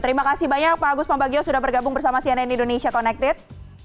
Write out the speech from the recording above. terima kasih banyak pak agus pambagio sudah bergabung bersama cnn indonesia connected